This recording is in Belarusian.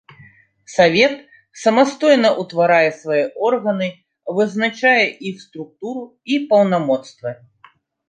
Савет самастойна ўтварае свае органы, вызначае іх структуру і паўнамоцтвы.